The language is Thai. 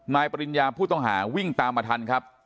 ปริญญาผู้ต้องหาวิ่งตามมาทันครับ